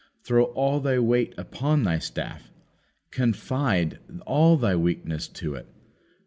Throw all thy weight upon thy staff. Confide all thy weakness to it.